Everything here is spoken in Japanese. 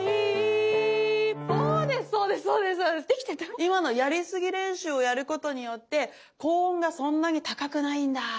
今のやりすぎ練習をやることによって高音がそんなに高くないんだって思わせる